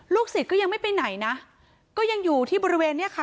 ศิษย์ก็ยังไม่ไปไหนนะก็ยังอยู่ที่บริเวณเนี้ยค่ะ